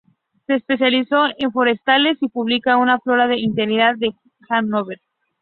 Se especializó en forestales, y publica una flora del hinterland de Hanover.